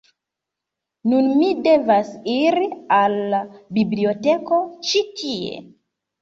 Nun, mi devas iri al la biblioteko ĉi tie